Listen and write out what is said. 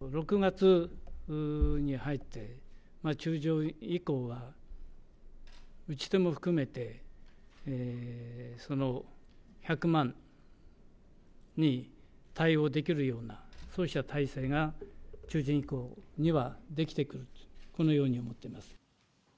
６月に入って、中旬以降は、打ち手も含めて、１００万に対応できるような、そうした体制が中旬以降には出来てくると、このように思ってます。